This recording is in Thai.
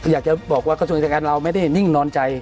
อยากจะบอกว่าความสงสัยของการเราไม่ได้นิ่งนอนใจ